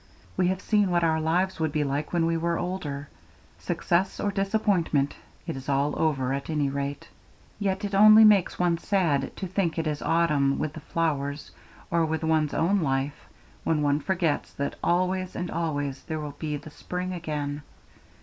We have seen what our lives would be like when we were older; success or disappointment, it is all over at any rate. Yet it only makes one sad to think it is autumn with the flowers or with one's own life, when one forgets that always and always there will be the spring again.